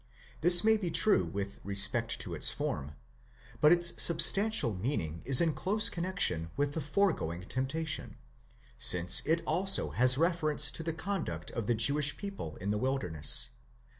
This may be true with respect to its form, but its substantial meaning is in close connexion with the foregoing temptation, since it also has reference to the conduct of the Jewish people in the wilderness.